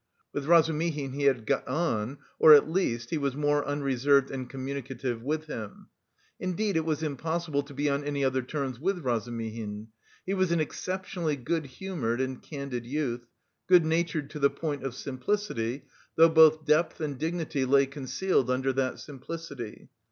With Razumihin he had got on, or, at least, he was more unreserved and communicative with him. Indeed it was impossible to be on any other terms with Razumihin. He was an exceptionally good humoured and candid youth, good natured to the point of simplicity, though both depth and dignity lay concealed under that simplicity.